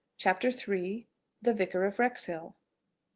CHAPTER III. THE VICAR OF WREXHILL.